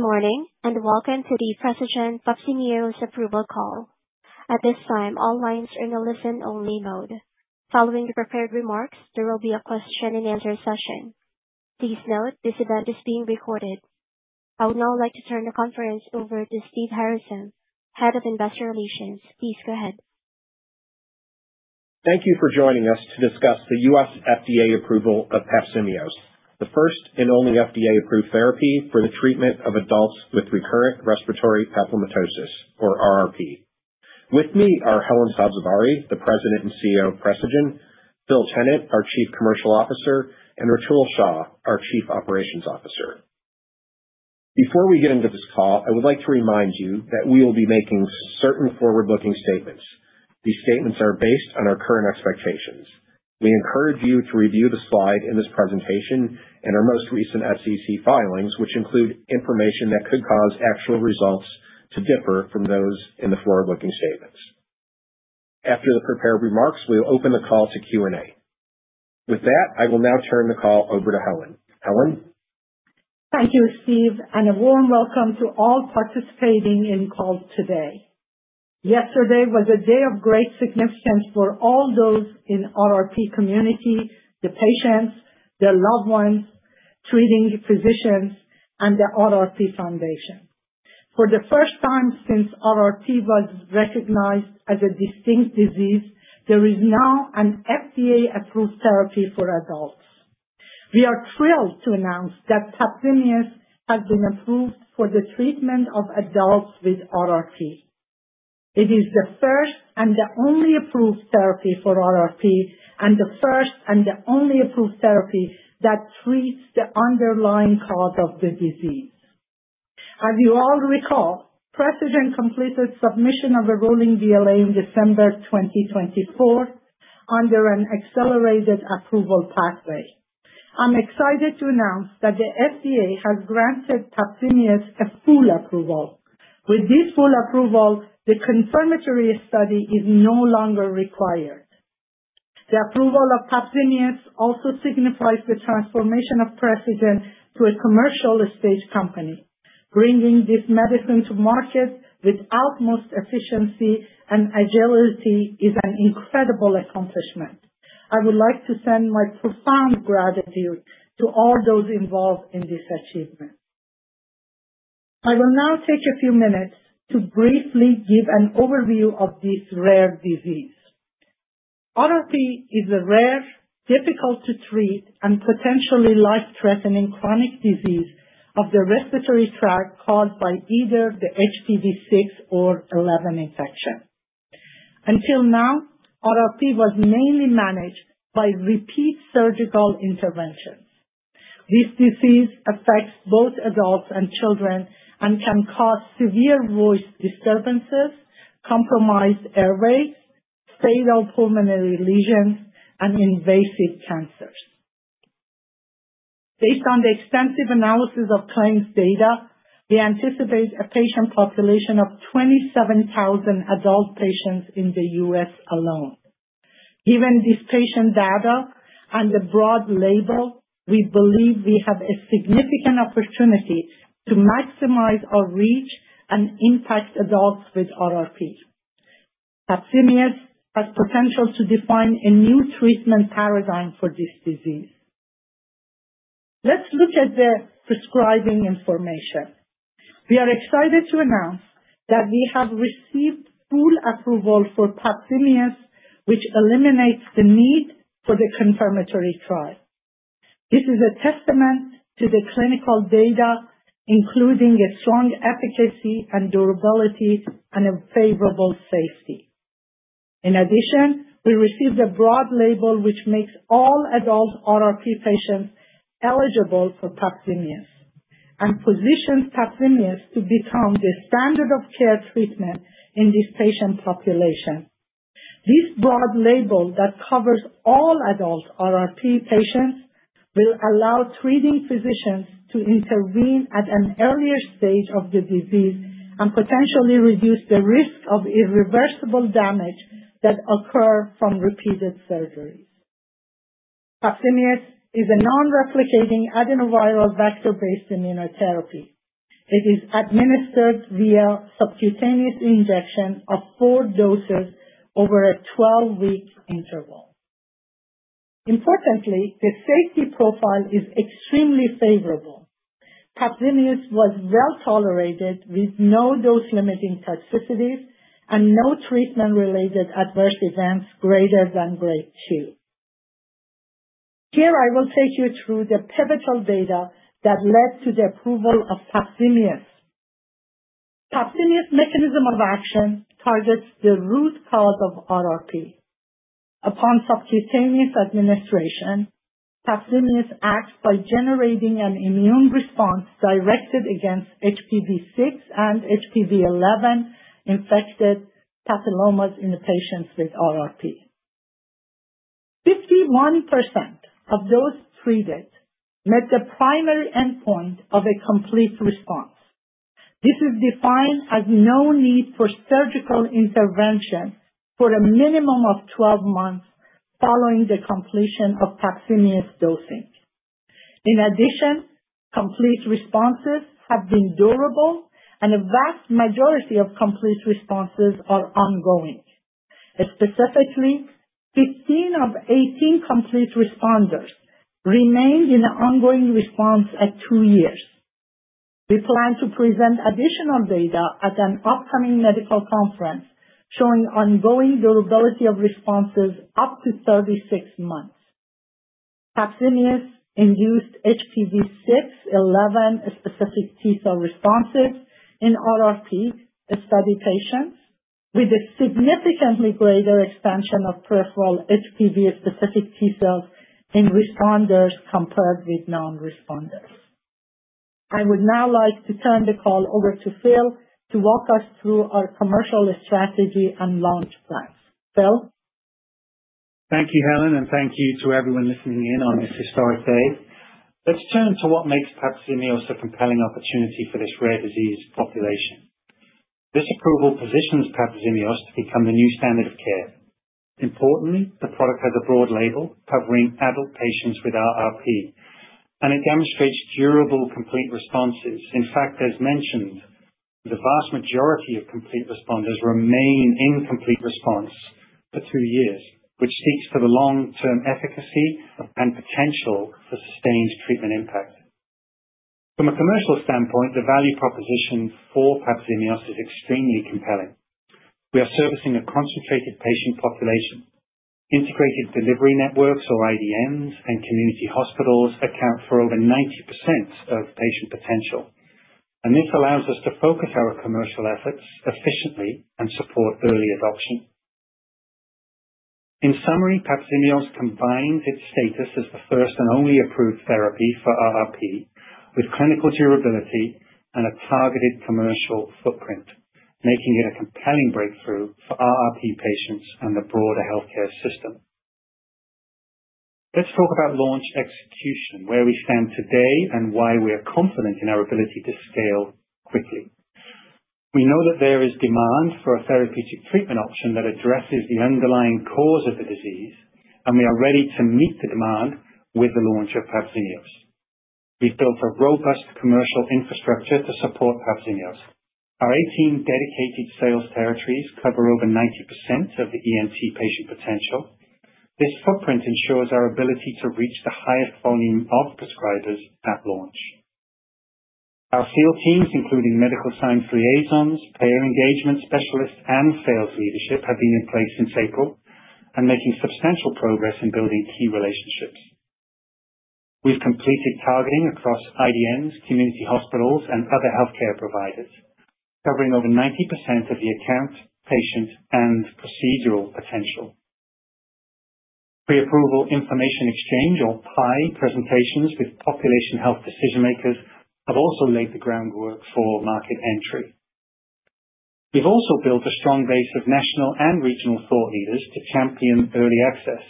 Good morning and welcome to the Precigen Papzimeos Approval Call. At this time, all lines are in a listen-only mode. Following the prepared remarks, there will be a question and answer session. Please note this event is being recorded. I would now like to turn the conference over to Steve Harasym, Head of Investor Relations. Please go ahead. Thank you for joining us to discuss the U.S. FDA approval of Papzimeos, the first and only FDA-approved therapy for the treatment of adults with recurrent respiratory papillomatosis, or RRP. With me are Helen Sabzevari, the President and CEO of Precigen, Phil Tennant, our Chief Commercial Officer, and Rutul Shah, our Chief Operations Officer. Before we get into this call, I would like to remind you that we will be making certain forward-looking statements. These statements are based on our current expectations. We encourage you to review the slide in this presentation and our most recent SEC filings, which include information that could cause actual results to differ from those in the forward-looking statements. After the prepared remarks, we'll open the call to Q&A. With that, I will now turn the call over to Helen. Helen? Thank you, Steve, and a warm welcome to all participating in calls today. Yesterday was a day of great significance for all those in the RRP community, the patients, their loved ones, treating physicians, and the RRP Foundation. For the first time since RRP was recognized as a distinct disease, there is now an FDA-approved therapy for adults. We are thrilled to announce that Papzimeos has been approved for the treatment of adults with RRP. It is the first and the only approved therapy for RRP and the first and the only approved therapy that treats the underlying cause of the disease. As you all recall, Precigen completed the submission of a rolling BLA in December 2024 under an accelerated approval pathway. I'm excited to announce that the FDA has granted Papzimeos a full approval. With this full approval, the confirmatory study is no longer required. The approval of Papzimeos also signifies the transformation of Precigen to a commercial stage company. Bringing this medicine to market with utmost efficiency and agility is an incredible accomplishment. I would like to send my profound gratitude to all those involved in this achievement. I will now take a few minutes to briefly give an overview of this rare disease. RRP is a rare, difficult-to-treat, and potentially life-threatening chronic disease of the respiratory tract caused by either the HPV6/11 infection. Until now, RRP was mainly managed by repeat surgical interventions. This disease affects both adults and children and can cause severe voice disturbances, compromised airways, fatal pulmonary lesions, and invasive cancers. Based on the extensive analysis of claims data, we anticipate a patient population of 27,000 adult patients in the U.S. alone. Given this patient data and the broad label, we believe we have a significant opportunity to maximize our reach and impact adults with RRP. Papzimeos has the potential to define a new treatment paradigm for this disease. Let's look at the prescribing information. We are excited to announce that we have received full approval for Papzimeos, which eliminates the need for the confirmatory trial. This is a testament to the clinical data, including a strong efficacy and durability and a favorable safety. In addition, we received a broad label, which makes all adult RRP patients eligible for Papzimeos and positions Papzimeos to become the standard of care treatment in this patient population. This broad label that covers all adult RRP patients will allow treating physicians to intervene at an earlier stage of the disease and potentially reduce the risk of irreversible damage that occurs from repeated surgery. Papzimeos is a non-replicating adenoviral vector-based immunotherapy. It is administered via subcutaneous injection of four doses over a 12-week interval. Importantly, the safety profile is extremely favorable. Papzimeos was well tolerated with no dose-limiting toxicities and no treatment-related adverse events greater than grade 2. Here, I will take you through the pivotal data that led to the approval of Papzimeos. Papzimeos' mechanism of action targets the root cause of RRP. Upon subcutaneous administration, Papzimeos acts by generating an immune response directed against HPV6/11-infected papillomas in the patients with RRP. 51% of those treated met the primary endpoint of a complete response. This is defined as no need for surgical intervention for a minimum of 12 months following the completion of Papzimeos dosing. In addition, complete responses have been durable, and a vast majority of complete responses are ongoing. Specifically, 15 of 18 complete responders remain in an ongoing response at two years. We plan to present additional data at an upcoming medical conference showing ongoing durability of responses up to 36 months. Papzimeos induced HPV6/11 specific T cell responses in RRP study patients with a significantly greater expansion of peripheral HPV-specific T cells in responders compared with non-responders. I would now like to turn the call over to Phil to walk us through our commercial strategy and launch plans. Phil? Thank you, Helen, and thank you to everyone listening in on this historic day. Let's turn to what makes Papzimeos a compelling opportunity for this rare disease population. This approval positions Papzimeos to become the new standard of care. Importantly, the product has a broad label covering adult patients with RRP, and it demonstrates durable complete responses. In fact, as mentioned, the vast majority of complete responders remain in complete response for two years, which speaks to the long-term efficacy and potential for sustained treatment impact. From a commercial standpoint, the value proposition for Papzimeos is extremely compelling. We are servicing a concentrated patient population. Integrated delivery networks, or IDNs, and community hospitals account for over 90% of patient potential. This allows us to focus our commercial efforts efficiently and support early adoption. In summary, Papzimeos combines its status as the first and only approved therapy for RRP with clinical durability and a targeted commercial footprint, making it a compelling breakthrough for RRP patients and the broader healthcare system. Let's talk about launch execution, where we stand today and why we are confident in our ability to scale quickly. We know that there is demand for a therapeutic treatment option that addresses the underlying cause of the disease, and we are ready to meet the demand with the launch of Papzimeos. We've built a robust commercial infrastructure to support Papzimeos. Our 18 dedicated sales territories cover over 90% of the ENT patient potential. This footprint ensures our ability to reach the highest volume of prescribers at launch. Our field teams, including Medical Science Liaisons, Payer Engagement Specialists, and Sales Leadership, have been in place since April and making substantial progress in building key relationships. We've completed targeting across IDNs, community hospitals, and other healthcare providers, covering over 90% of the account patient and procedural potential. Pre-approval information exchange, or PAI, presentations with population health decision-makers have also laid the groundwork for market entry. We've also built a strong base of national and regional thought leaders to champion early access.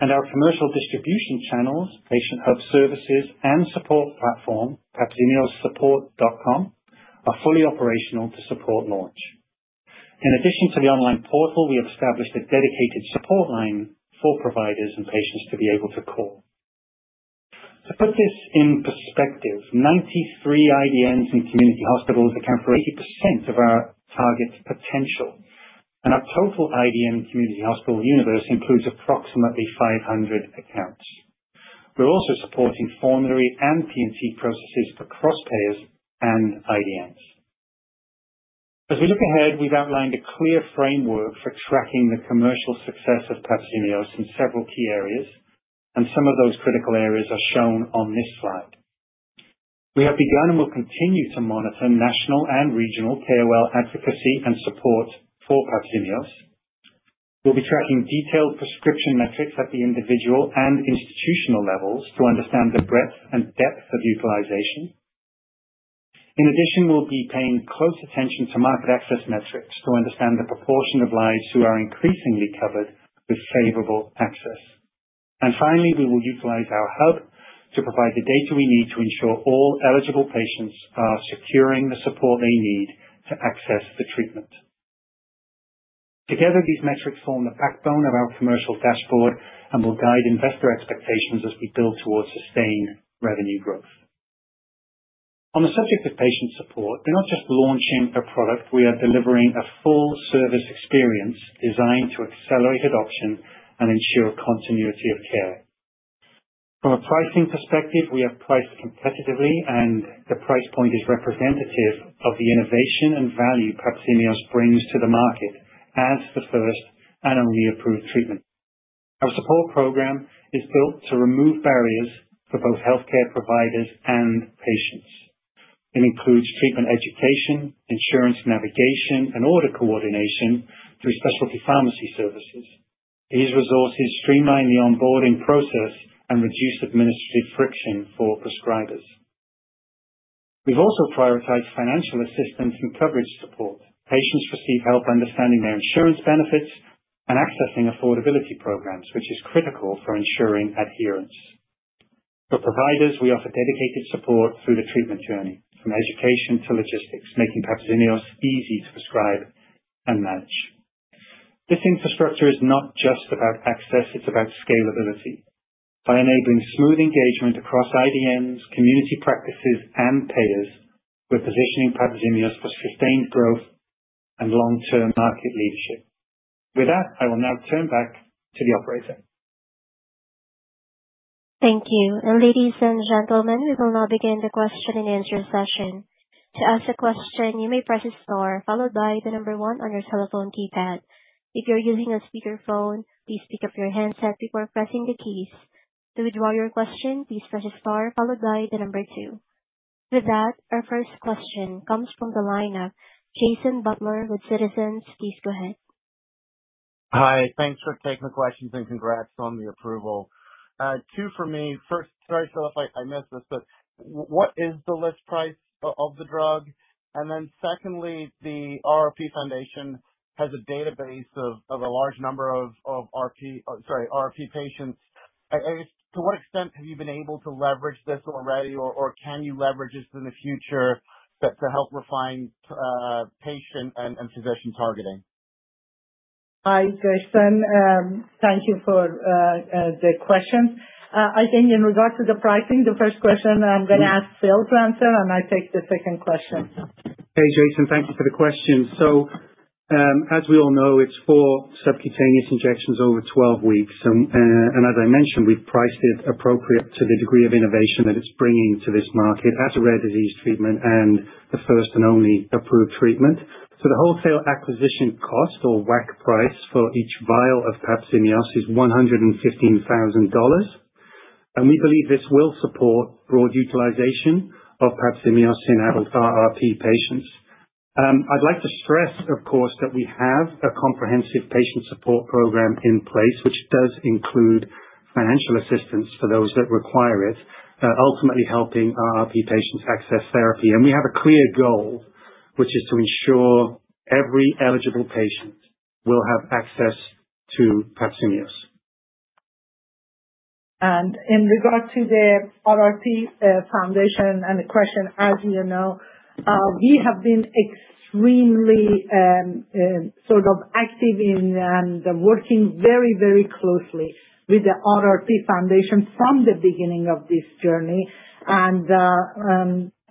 Our commercial distribution channels, patient health services, and support platform, papzimeossupport.com, are fully operational to support launch. In addition to the online portal, we have established a dedicated support line for providers and patients to be able to call. To put this in perspective, 93 IDNs and community hospitals account for 80% of our target potential. Our total IDN community hospital universe includes approximately 500 accounts. We're also supporting formulary and P&C processes for cross-payers and IDNs. As we look ahead, we've outlined a clear framework for tracking the commercial success of Papzimeos in several key areas, and some of those critical areas are shown on this slide. We have begun and will continue to monitor national and regional KOL advocacy and support for Papzimeos. We'll be tracking detailed prescription metrics at the individual and institutional levels to understand the breadth and depth of utilization. In addition, we'll be paying close attention to market access metrics to understand the proportion of lives who are increasingly covered with favorable access. Finally, we will utilize our hub to provide the data we need to ensure all eligible patients are securing the support they need to access the treatment. Together, these metrics form the backbone of our commercial dashboard and will guide investor expectations as we build towards sustained revenue growth. On the subject of patient support, we're not just launching a product; we are delivering a full-service experience designed to accelerate adoption and ensure continuity of care. From a pricing perspective, we are priced competitively, and the price point is representative of the innovation and value Papzimeos brings to the market as the first and only approved treatment. Our support program is built to remove barriers for both healthcare providers and patients. It includes treatment education, insurance navigation, and order coordination through specialty pharmacy services. These resources streamline the onboarding process and reduce administrative friction for prescribers. We've also prioritized financial assistance and coverage support. Patients receive help understanding their insurance benefits and accessing affordability programs, which is critical for ensuring adherence. For providers, we offer dedicated support through the treatment journey, from education to logistics, making Papzimeos easy to prescribe and manage. This infrastructure is not just about access; it's about scalability. By enabling smooth engagement across IDNs, community practices, and payers, we're positioning Papzimeos for sustained growth and long-term market leadership. With that, I will now turn back to the operator. Thank you. Ladies and gentlemen, we will now begin the question and answer session. To ask a question, you may press star followed by the number one on your telephone keypad. If you're using a speakerphone, please pick up your headset before pressing the keys. To withdraw your question, please press star followed by the number two. Our first question comes from the line of Jason Butler with Citizens. Please go ahead. Hi. Thanks for taking the questions and congrats on the approval. Two for me. First, very sorry if I missed this, but what is the list price of the drug? Secondly, the RRP Foundation has a database of a large number of RRP patients. I guess, to what extent have you been able to leverage this already, or can you leverage this in the future to help refine patient and physician targeting? Hi, Jason. Thank you for the questions. I think in regards to the pricing, the first question I'm going to ask Phil to answer, and I'll take the second question. Hey, Jason. Thank you for the question. As we all know, it's for subcutaneous injections over 12 weeks. As I mentioned, we've priced it appropriate to the degree of innovation that it's bringing to this market as a rare disease treatment and the first and only approved treatment. The wholesale acquisition cost, or WAC price, for each vial of Papzimeos is $115,000. We believe this will support broad utilization of Papzimeos in our RRP patients. I'd like to stress, of course, that we have a comprehensive patient support program in place, which does include financial assistance for those that require it, ultimately helping RRP patients access therapy. We have a clear goal, which is to ensure every eligible patient will have access to Papzimeos. In regards to the RRP Foundation and the question, as you know, we have been extremely active in working very, very closely with the RRP Foundation from the beginning of this journey.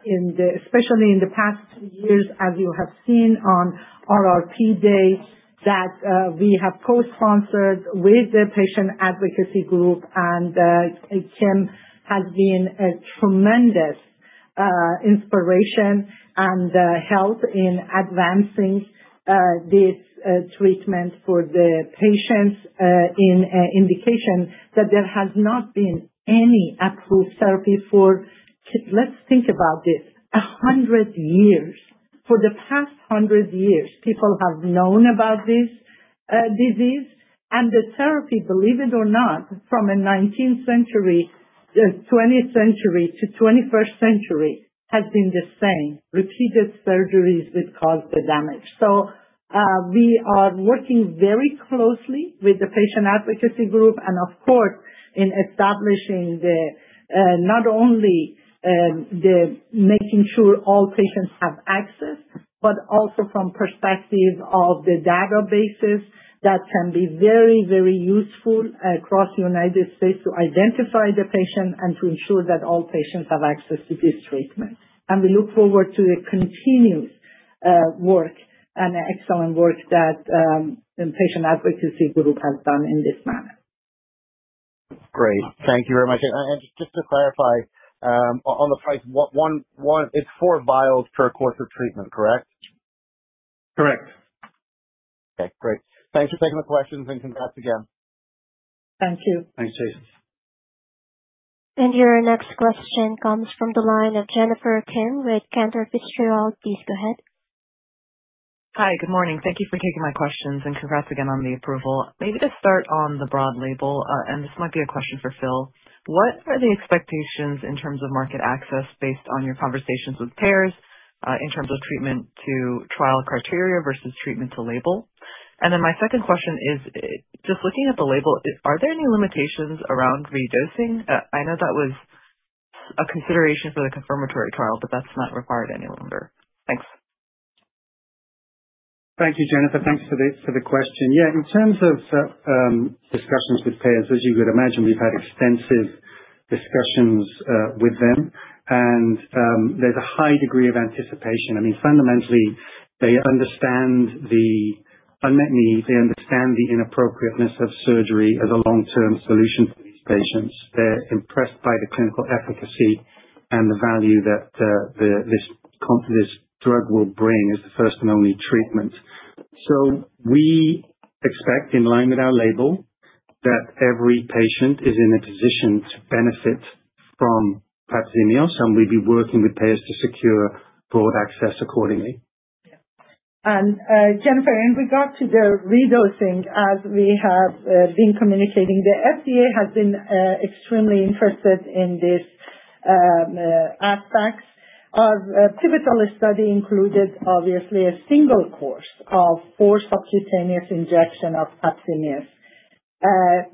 Especially in the past two years, as you have seen on RRP Day that we have co-sponsored with the patient advocacy group, and Kim has been a tremendous inspiration and help in advancing this treatment for the patients in an indication that there has not been any approved therapy for, let's think about this, 100 years. For the past 100 years, people have known about this disease. The therapy, believe it or not, from the 19th century, the 20th century, to the 21st century has been the same, repeated surgeries that cause the damage. We are working very closely with the patient advocacy group and, of course, in establishing not only making sure all patients have access, but also from the perspective of the databases that can be very, very useful across the United States to identify the patient and to ensure that all patients have access to this treatment. We look forward to the continuous work and the excellent work that the patient advocacy group has done in this manner. Great. Thank you very much. Just to clarify, on the price, it's four vials per course of treatment, correct? Correct. Thanks for taking the questions and congrats again. Thank you. Thanks, Jason. Your next question comes from the line of Jennifer Kim with Cantor. Please go ahead. Hi. Good morning. Thank you for taking my questions and congrats again on the approval. Maybe to start on the broad label, and this might be a question for Phil, what are the expectations in terms of market access based on your conversations with payers in terms of treatment to trial criteria vs treatment to label? My second question is, just looking at the label, are there any limitations around re-dosing? I know that was a consideration for the confirmatory trial, but that's not required any longer. Thanks. Thank you, Jennifer. Thanks for the question. In terms of discussions with payers, as you could imagine, we've had extensive discussions with them. There's a high degree of anticipation. Fundamentally, they understand the unmet need. They understand the inappropriateness of surgery as a long-term solution for these patients. They're impressed by the clinical efficacy and the value that this drug will bring as the first and only treatment. We expect, in line with our label, that every patient is in a position to benefit from Papzimeos, and we'll be working with payers to secure broad access accordingly. Yeah. Jennifer, in regards to the re-dosing, as we have been communicating, the FDA has been extremely interested in this aspect. Our pivotal study included, obviously, a single course of four subcutaneous injections of Papzimeos,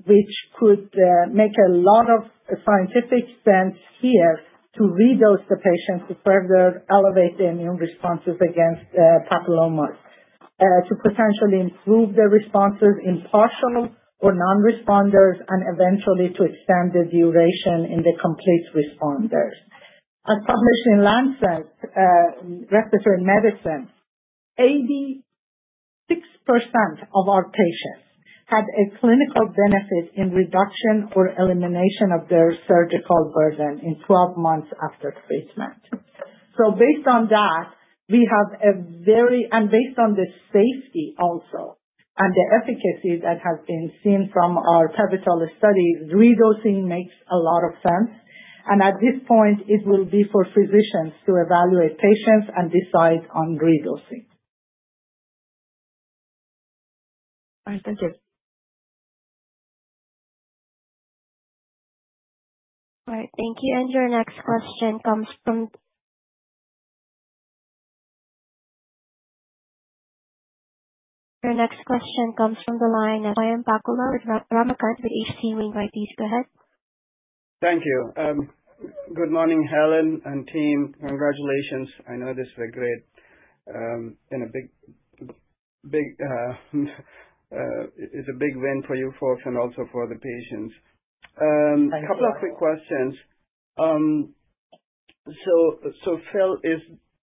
which could make a lot of scientific sense here to re-dose the patients to further elevate the immune responses against papillomas, to potentially improve the responses in hospital or non-responders, and eventually to extend the duration in the complete responders. As published in Lancet Respiratory Medicine, 86% of our patients had a clinical benefit in reduction or elimination of their surgical burden in 12 months after treatment. Based on that, and based on the safety also and the efficacy that has been seen from our pivotal studies, re-dosing makes a lot of sense. At this point, it will be for physicians to evaluate patients and decide on re-dosing. All right. Thank you. Thank you. Your next question comes from the line of Swayampakula Ramakanth with H.C. Wainwright. Please go ahead. Thank you. Good morning, Helen and team. Congratulations. I know this is a big win for you both and also for the patients. A couple of quick questions. Phil,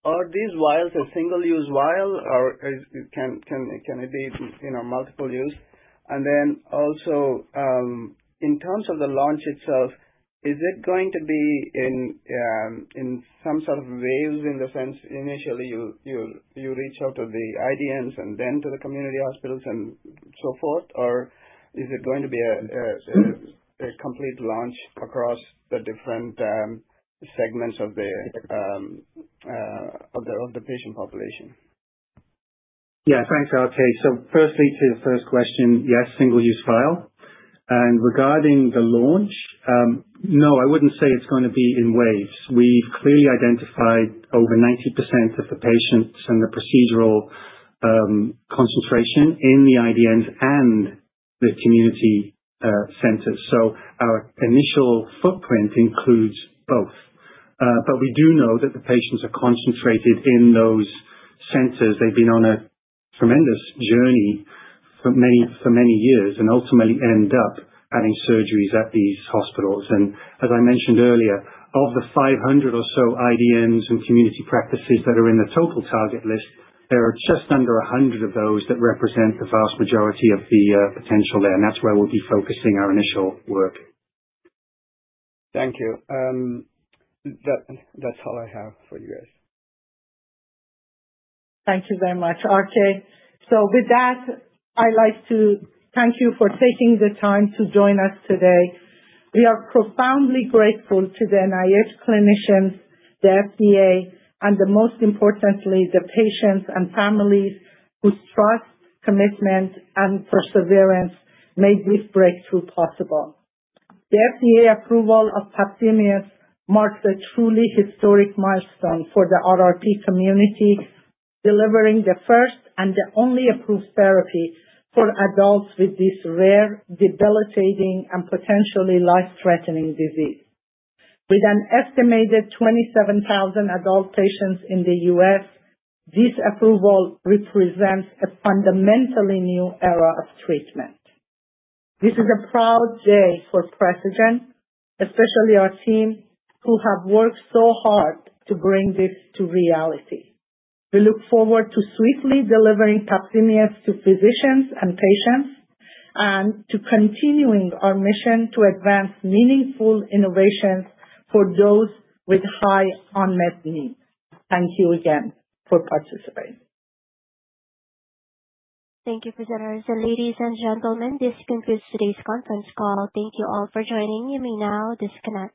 are these vials a single-use vial, or can it be a multiple use? In terms of the launch itself, is it going to be in some sort of waves in the sense initially you reach out to the IDNs and then to the community hospitals and so forth, or is it going to be a complete launch across the different segments of the patient population? Yeah. Thanks, RS. To your first question, yes, single-use vial. Regarding the launch, no, I wouldn't say it's going to be in waves. We've clearly identified over 90% of the patients and the procedural concentration in the IDNs and the community centers. Our initial footprint includes both. We do know that the patients are concentrated in those centers. They've been on a tremendous journey for many years and ultimately end up having surgeries at these hospitals. As I mentioned earlier, of the 500 or so IDNs and community practices that are in the total target list, there are just under 100 of those that represent the vast majority of the potential there. That's where we'll be focusing our initial work. Thank you. That's all I have for you guys. Thank you very much, RS. With that, I'd like to thank you for taking the time to join us today. We are profoundly grateful to the NIH clinicians, the FDA, and most importantly, the patients and families whose trust, commitment, and perseverance made this breakthrough possible. The FDA approval of Papzimeos marks a truly historic milestone for the RRP community, delivering the first and the only approved therapy for adults with this rare, debilitating, and potentially life-threatening disease. With an estimated 27,000 adult patients in the U.S., this approval represents a fundamentally new era of treatment. This is a proud day for Precigen, especially our team who have worked so hard to bring this to reality. We look forward to swiftly delivering Papzimeos to physicians and patients and to continuing our mission to advance meaningful innovations for those with high unmet needs. Thank you again for participating. Thank you for joining us. Ladies and gentlemen, this concludes today's conference call. Thank you all for joining. You may now disconnect.